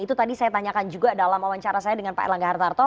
itu tadi saya tanyakan juga dalam wawancara saya dengan pak erlangga hartarto